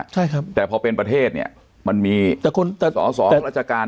ใช่ครับแต่พอเป็นประเทศเนี่ยมันมีสองสองรัชกาล